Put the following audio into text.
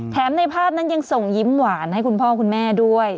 ในภาพนั้นยังส่งยิ้มหวานให้คุณพ่อคุณแม่ด้วย